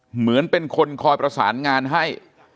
เหมือนเป็นคนคอยประสานงานให้